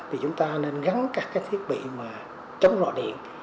thì chúng ta nên gắn các thiết bị chấm rõ điện